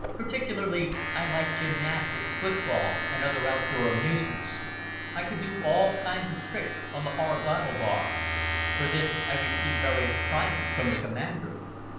Particularly I liked gymnastics, football, and other outdoor amusements. I could do all kinds of tricks on the horizontal bar. For this I received various prizes from the Commander.